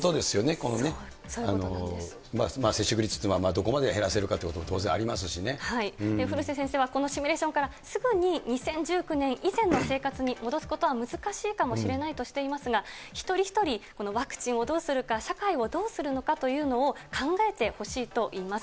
この接触率というのはどこまで減らせるかということも当然ありま古瀬先生はこのシミュレーションから、すぐに２０１９年以前の生活に戻すことは難しいかもしれないとしていますが、一人一人ワクチンをどうするか、社会をどうするのかというのを考えてほしいといいます。